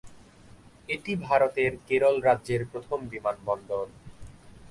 এটি ভারতের কেরল রাজ্যের প্রথম বিমানবন্দর।